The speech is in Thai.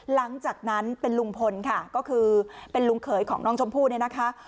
หลังจากนั้นเป็นลุงพลค่ะก็คือเป็นลุงเขยของน้องชมพู่เนี่ยนะคะ